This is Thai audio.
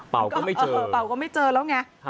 ก็ไม่เจอเป่าก็ไม่เจอแล้วไง